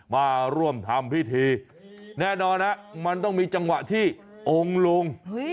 มาร่วมทำพิธีแน่นอนฮะมันต้องมีจังหวะที่องค์ลุง